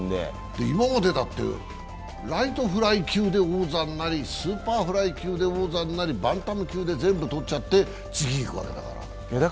今までだってライトフライ級で王座になり、スーパーフライ級で王座になり、バンタム級で全部とっちゃって次にいくわけだから。